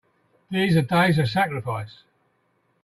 These are days of sacrifice!